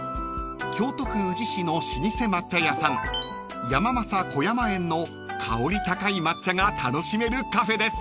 ［京都府宇治市の老舗抹茶屋さん山政小山園の香り高い抹茶が楽しめるカフェです］